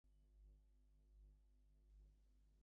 Some Montaukett continued to live on Long Island.